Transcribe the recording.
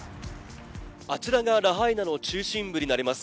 あちらがラハイナの中心部になります。